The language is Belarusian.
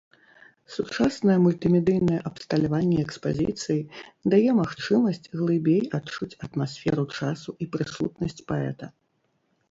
Сучаснае мультымедыйнае абсталяванне экспазіцыі дае магчымасць глыбей адчуць атмасферу часу і прысутнасць паэта.